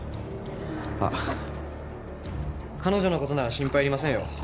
あっ彼女の事なら心配いりませんよ。